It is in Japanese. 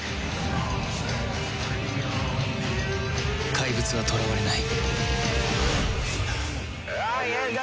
怪物は囚われない